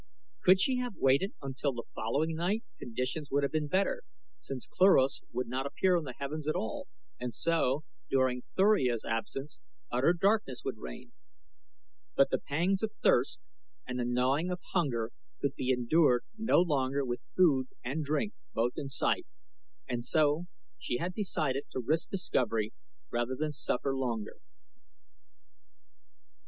Could she have waited until the following night conditions would have been better, since Cluros would not appear in the heavens at all and so, during Thuria's absence, utter darkness would reign; but the pangs of thirst and the gnawing of hunger could be endured no longer with food and drink both in sight, and so she had decided to risk discovery rather than suffer longer.